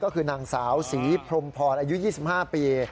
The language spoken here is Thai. ก็คือนางสาวศรีพรมพรอายุ๒๕ปี